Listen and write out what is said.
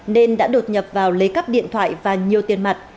nên đã đột nhập vào lấy cắp điện thoại và nhiều tiền mặt